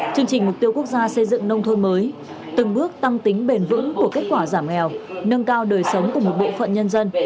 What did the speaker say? chương trình mục tiêu quốc gia xây dựng nông thôn mới từng bước tăng tính bền vững của kết quả giảm nghèo nâng cao đời sống của một bộ phận nhân dân